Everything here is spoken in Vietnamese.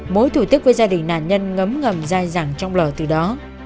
mối thủ tức với gia đình nạn nhân ngấm ngầm dài dẳng trong lở từ đó